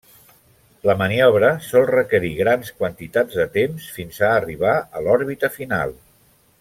La maniobra sol requerir grans quantitats de temps fins a arribar a l'òrbita final.